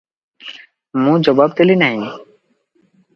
ମୁଁ ଜବାବ ଦେଲି ନାହିଁ ।